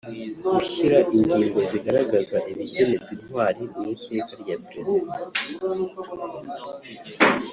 Gushyira ingingo zigaragaza ibigenerwa intwari mu iteka rya Perezida